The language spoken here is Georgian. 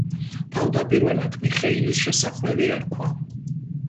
თავდაპირველად მიხეილის შესახვევი ერქვა.